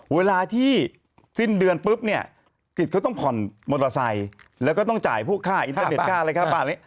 เวลาที่สิ้นเดือนปุ๊บเนี่ยกิจเขาต้องผ่อนมอเตอร์ไซค์แล้วก็ต้องจ่ายพวกค่าอินเตอร์เน็ตค่าอะไรค่าบ้าน